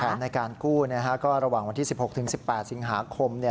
ในการกู้ก็ระหว่างวันที่๑๖๑๘สิงหาคม